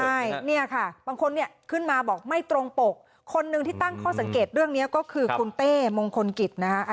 ใช่เนี่ยค่ะบางคนเนี่ยขึ้นมาบอกไม่ตรงปกคนหนึ่งที่ตั้งข้อสังเกตเรื่องนี้ก็คือคุณเต้มงคลกิจนะคะ